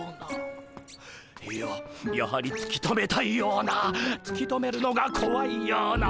いややはりつき止めたいようなつき止めるのがこわいような。